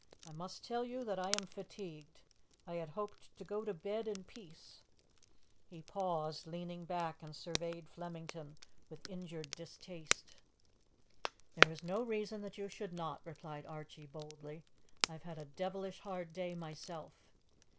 "I must tell you that I am fatigued. I had hoped to go to bed in peace." He paused, leaning back, and surveyed Flemington with injured distaste. "There is no reason that you should not," replied Archie boldly. "I have had a devilish hard day myself.